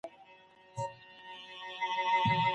کوربه مېلمنو ته په لوړ غږ د دارو شه ناره وکړه.